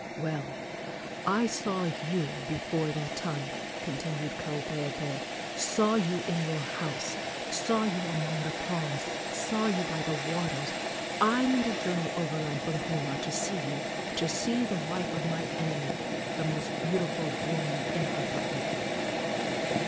"Well, I saw you before that time," continued Kaupeepee "saw you in your house; saw you among the palms; saw you by the waters. I made a journey overland from Puna to see you to see the wife of my enemy, the most beautiful woman in Hawaii."